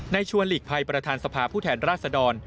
ชวนหลีกภัยประธานสภาผู้แทนราชดร